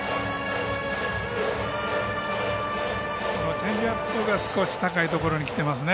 チェンジアップが少し高いところにきていますね